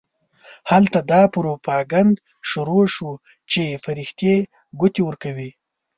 هلته دا پروپاګند شروع شو چې فرښتې ګوتې ورکوي.